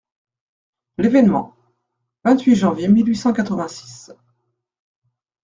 L'ÉVÉNEMENT, vingt-huit janvier mille huit cent quatre-vingt-six.